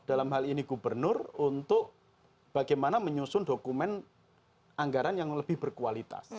dalam hal ini gubernur untuk bagaimana menyusun dokumen anggaran yang lebih berkualitas